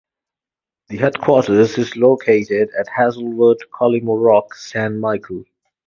The headquarters is located at Hazelwood, Collymore Rock, Saint Michael.